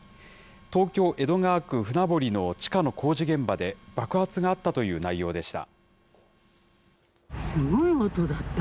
東京・江戸川区船堀の地下の工事現場で爆発があったという内容でした。